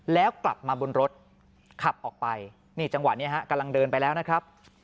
แล้วกลับมาบนรถขับออกไปนี่จังหวะนี้ฮะกำลังเดินไปแล้วนะครับ